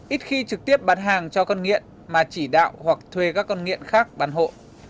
ít khi trực tiếp bán hàng cho con nghiện mà chỉ đạo hoặc thuê các con nghiện khác bán hộ